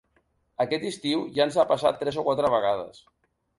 Aquest estiu ja ens ha passat tres o quatre vegades.